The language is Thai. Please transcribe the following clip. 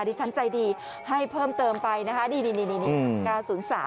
ดิฉันใจดีให้เพิ่มเติมไปนะคะนี่๙๐๓